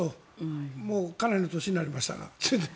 もうかなりの年になりましたが。